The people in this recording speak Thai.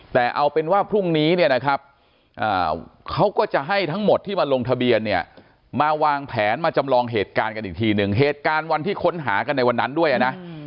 แต่เอาเป็นว่าพรุ่งนี้เนี่ยนะครับเขาก็จะให้ทั้งหมดที่มาลงทะเบียนเนี่ยมาวางแผนมาจำลองเหตุการณ์กันอีกทีหนึ่งเหตุการณ์วันที่ค้นหากันในวันนั้นด้วยนะ